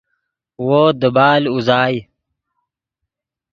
وو دیبال اوزائے